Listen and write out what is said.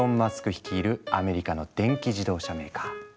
率いるアメリカの電気自動車メーカー。